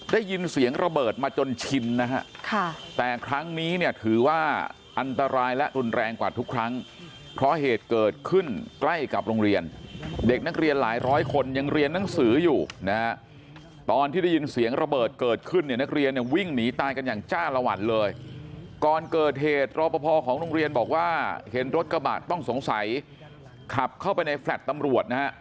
ได้ยินเสียงระเบิดมาจนชินนะฮะค่ะแต่ครั้งนี้เนี่ยถือว่าอันตรายและรุนแรงกว่าทุกครั้งเพราะเหตุเกิดขึ้นใกล้กับโรงเรียนเด็กนักเรียนหลายร้อยคนยังเรียนหนังสืออยู่นะฮะตอนที่ได้ยินเสียงระเบิดเกิดขึ้นเนี่ยนักเรียนเนี่ยวิ่งหนีตายกันอย่างจ้าละวันเลยก่อนเกิดเหตุรอปภของโรงเรียนบอกว่าเห็นรถกระบะต้องสงสัยขับเข้าไปในแฟลต์ตำรวจนะฮะ